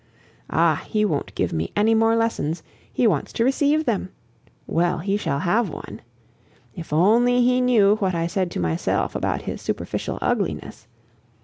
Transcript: Ah! he won't give me any more lessons, he wants to receive them well, he shall have one. If only he knew what I said to myself about his superficial ugliness!